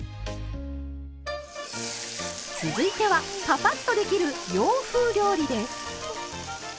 続いてはパパッとできる洋風料理です。